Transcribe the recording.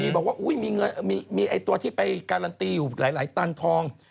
บอกว่ามีตัวที่ไปการันตีอยู่หลายตันทอง